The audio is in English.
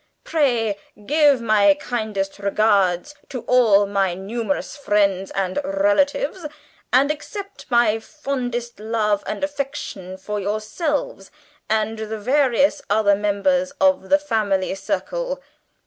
Pray give my kindest remembrance to all my numerous friends and relatives, and accept my fondest love and affection for yourselves, and the various other members of the family circle.